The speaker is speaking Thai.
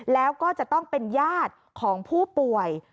แล้วก็จะต้องเป็นญาติของผู้ป่วย